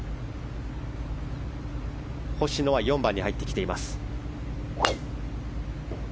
星野は４番に入ってきています。